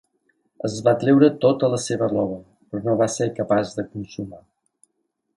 Es va treure tota la seva roba, però no va ser capaç de consumar.